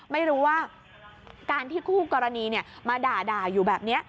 ไม่รู้ว่าการที่คู่กรณีมาด่าอยู่แบบนี้